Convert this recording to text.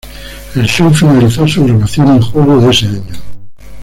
El show finalizó sus grabaciones en julio de ese año.